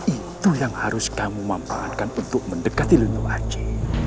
itu yang harus kamu memperbaikkan untuk mendekati lutut aji